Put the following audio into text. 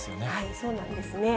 そうなんですね。